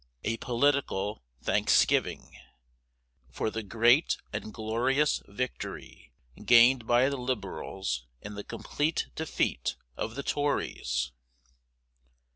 A POLITICAL THANKSGIVING FOR THE Great and Glorious Victory Gained by the Liberals, and the Complete Defeat of the Tories!!!